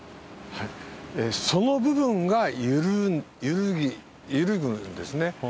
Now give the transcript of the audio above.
その部分が揺るぐんですね。